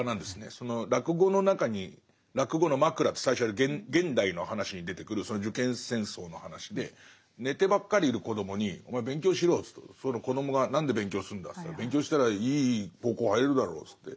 その落語の中に落語のマクラって最初現代の話に出てくる受験戦争の話で寝てばっかりいる子供に「お前勉強しろよ」と言うとその子供が「何で勉強するんだ」と言ったら「勉強したらいい高校入れるだろ」って。